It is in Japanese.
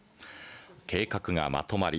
計画がまとまり